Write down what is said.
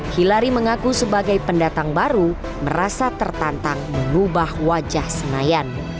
hilari mengaku sebagai pendatang baru merasa tertantang mengubah wajah senayan